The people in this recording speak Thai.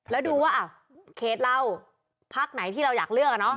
แล้วดูว่าเอาเคตเราพักไหนที่เราอยากเลือกอ่ะเนอะ